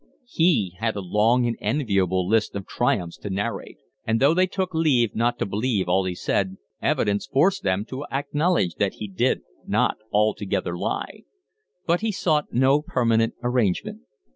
He had a long and enviable list of triumphs to narrate, and though they took leave not to believe all he said, evidence forced them to acknowledge that he did not altogether lie. But he sought no permanent arrangement.